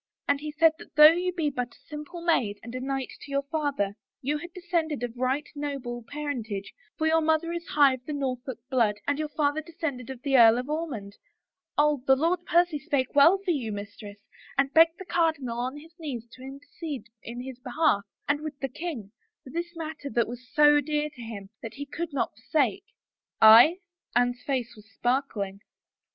And he said that though you be but a simple maid and a knight to your father, you had descended of right noble parentage, for your mother is high of the Norfolk blood and your father descended of the Earl of Ormond — Oh, the Lord Percy spoke well for you, mis tress, and bulged the cardinal on his knees to intercede in bis behalf, and with the king, for this matter that was » so dear to him that he could not forsake." " Aye ?" Anne's face was sparkling.